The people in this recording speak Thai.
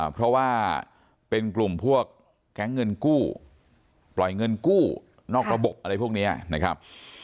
เพราะว่าเป็นกลุ่มพวกแก๊งเงินกู้ปล่อยเงินกู้นอกระบบอะไรพวกนี้นะครับ